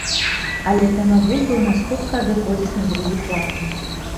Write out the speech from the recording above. Але тэма бульбы ў нас хутка адыходзіць на другі план.